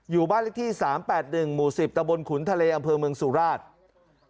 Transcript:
อยู่บ้านลิขที่๓๘๑หมู่๑๐ตำบลขุนทะเลอำเภอเมืองสุราษฎร์ธานี